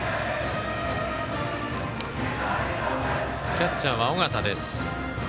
キャッチャーは尾形です。